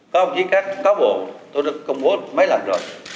có một chiếc cá bộ tôi đã công bố mấy lần rồi